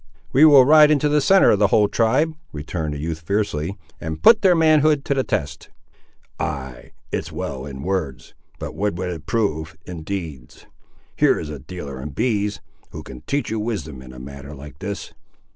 "We will ride into the centre of the whole tribe," returned the youth fiercely, "and put their manhood to the test." "Ay, it's well in words, but what would it prove in deeds? Here is a dealer in bees, who can teach you wisdom in a matter like this."